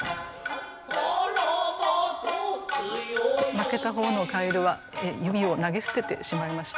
負けた方の蛙は弓を投げ捨ててしまいました。